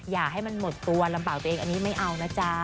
อย่าให้มันหมดตัวลำบากตัวเองอันนี้ไม่เอานะจ๊ะ